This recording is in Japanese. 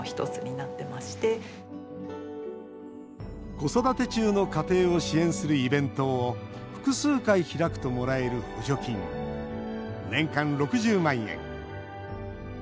子育て中の家庭を支援するイベントを複数回開くともらえる補助金年間６０万円。